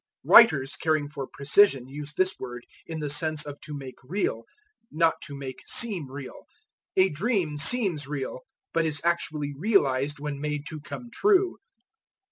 Writers caring for precision use this word in the sense of to make real, not to make seem real. A dream seems real, but is actually realized when made to come true.